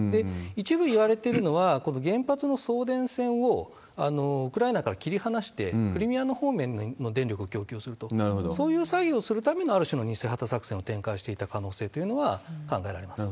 一部いわれているのは、この原発の送電線をウクライナから切り離して、クリミア方面の電力を供給すると、そういう作業をするための、ある種の偽旗作戦を展開していたという可能性は考えられます。